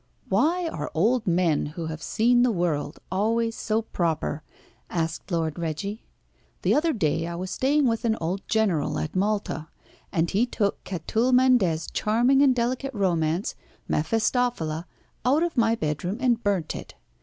"Why are old men who have seen the world always so proper?" asked Lord Reggie. "The other day I was staying with an old general at Malta, and he took Catulle Mendez' charming and delicate romance, 'Mephistophela,' out of my bedroom and burnt it.